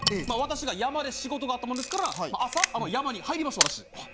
まあ私が山で仕事があったもんですから朝山に入りました私。